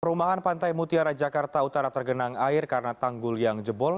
perumahan pantai mutiara jakarta utara tergenang air karena tanggul yang jebol